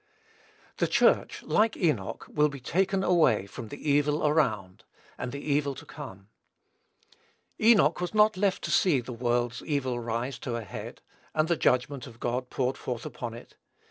The Church, like Enoch, will be taken away from the evil around, and the evil to come. Enoch was not left to see the world's evil rise to a head, and the judgment of God poured forth upon it.